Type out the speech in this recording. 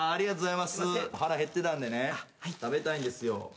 腹減ってたんでね食べたいんですよ。